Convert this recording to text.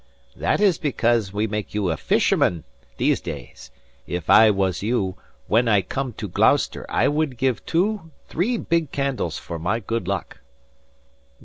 "That is because we make you fisherman, these days. If I was you, when I come to Gloucester I would give two, three big candles for my good luck."